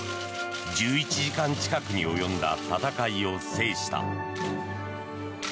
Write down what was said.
１１時間近くに及んだ戦いを制した。